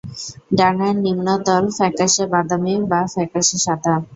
ডানার নিম্নতল ফ্যাকাশে বাদামি বা ফ্যাকাশে সাদা।